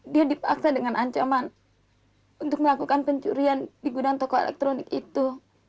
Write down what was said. dia dipaksa dengan ancaman untuk melakukan pencurian di gudang toko elektronik itu